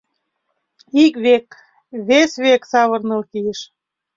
Ик век, вес век савырныл кийыш.